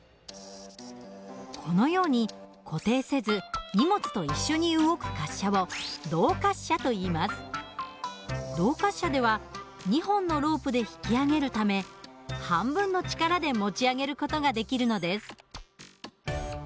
このように固定せず荷物と一緒に動く滑車を動滑車では２本のロープで引き上げるため半分の力で持ち上げる事ができるのです。